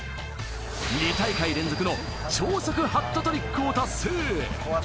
２大会連続の超速ハットトリックを達成。